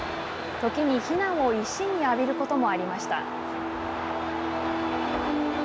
時に非難を一身に浴びることもありました。